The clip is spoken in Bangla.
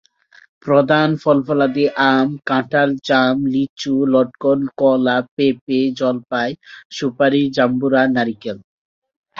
প্রধান ফলফলাদি আম, কাঁঠাল, জাম, লিচু, লটকন, কলা, পেঁপে, জলপাই, সুপারি, জাম্বুরা, নারিকেল।